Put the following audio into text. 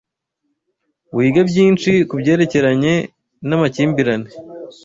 Wige byinshi kubyerekeranye namakimbirane